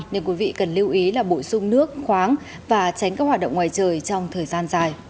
nên quý vị cần lưu ý là bổ sung nước khoáng và tránh các hoạt động ngoài trời trong thời gian dài